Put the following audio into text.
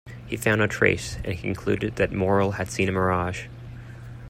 He found no trace, and concluded that Morrell had seen a mirage.